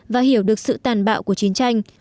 và hiểu được sự tàn bạo của chiến tranh